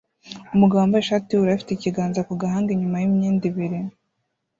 Umugabo wambaye ishati yubururu afite ikiganza ku gahanga inyuma yimyenda ibiri